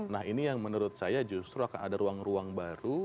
nah ini yang menurut saya justru akan ada ruang ruang baru